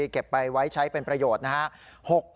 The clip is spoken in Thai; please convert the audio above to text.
เก็บไปไว้ใช้เป็นประโยชน์นะครับ